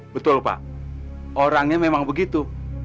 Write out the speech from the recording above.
betul pak orangnya memang begitu